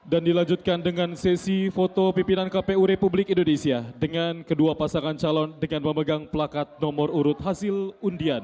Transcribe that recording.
dan dilanjutkan dengan sesi foto pimpinan kpu republik indonesia dengan kedua pasanganander dengan memegang pelakat nomor urut hasil undian